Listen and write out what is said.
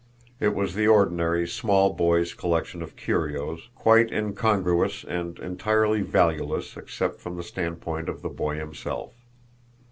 It was the ordinary small boy's collection of curios, quite incongruous and entirely valueless except from the standpoint of the boy himself.